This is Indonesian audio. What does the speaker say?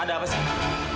ada apa sih